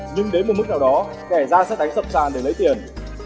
nhưng đến một mức nào đó kẻ gian sẽ đánh sập sàn để lấy tiền